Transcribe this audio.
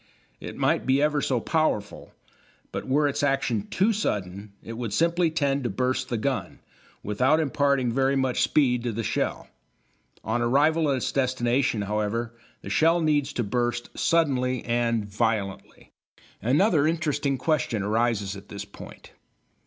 It might be ever so powerful, but were its action too sudden it would simply tend to burst the gun, without imparting very much speed to the shell. On arrival at its destination, however, the shell needs to burst suddenly and violently. Another interesting question arises at this point.